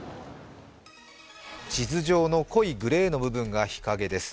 地図上の濃いグレーの部分が日陰です。